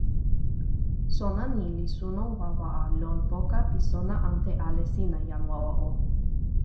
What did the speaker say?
sona ni li suno wawa a lon poka pi sona ante ale sina, jan wawa o!